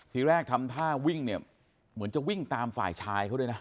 ทีแรกทำท่าวิ่งเนี่ยเหมือนจะวิ่งตามฝ่ายชายเขาด้วยนะ